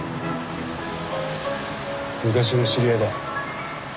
昔の知り合いだ。